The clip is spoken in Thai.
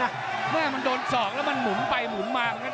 แว้มันโดนที่อาวุธสอกแล้วมันหมุ่มไปหมุมมา